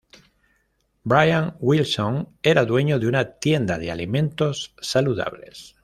Brian Wilson era dueño de una tienda de alimentos saludables.